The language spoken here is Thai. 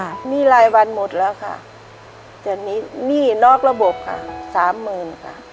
หนี้รายวันหมดแล้วค่ะจากนี้หนี้นอกระบบค่ะสามหมื่นค่ะ